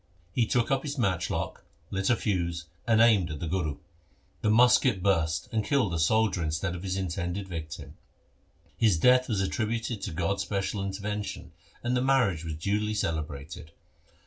He took up his matchlock, lit a fuse, and aimed at the Guru. The musket burst, and killed the soldier instead of his intended victim. His death was attributed to God's special intervention, and the marriage was duly celebrated.